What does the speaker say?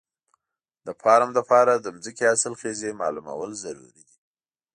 د فارم لپاره د ځمکې حاصلخېزي معلومول ضروري دي.